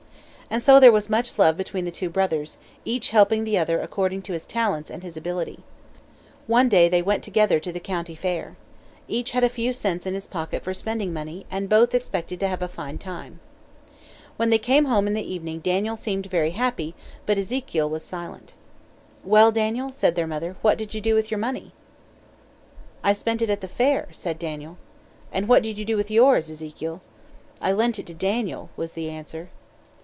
And so there was much love between the two brothers, each helping the other according to his talents and his ability. One day they went together to the county fair. Each had a few cents in his pocket for spending money, and both expected to have a fine time. When they came home in the evening Daniel seemed very happy, but Ezekiel was silent. "Well, Daniel," said their mother, "what did you do with your money?" "I spent it at the fair," said Daniel. "And what did you do with yours, Ezekiel?" "I lent it to Daniel," was the answer.